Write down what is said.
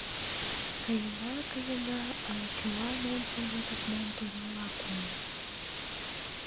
Каена, каена, ала-кӧлан ончылно тушман толмыла койо...